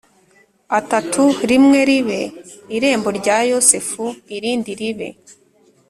Atatu rimwe ribe irembo rya yosefu irindi ribe